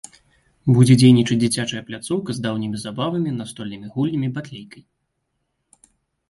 Будзе дзейнічаць дзіцячая пляцоўка з даўнімі забавамі, настольнымі гульнямі, батлейкай.